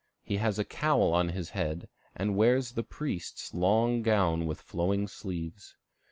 He has a cowl on his head, and wears the priest's long gown with flowing sleeves.